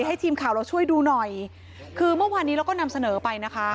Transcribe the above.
ให้ทีมข่าวเราช่วยดูหน่อยคือเมื่อวานนี้เราก็นำเสนอไปนะคะ